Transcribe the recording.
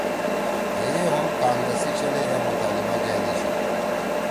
ہیئے ہُم کانگرس سی چھلَے اے مطالبہ گأدی شی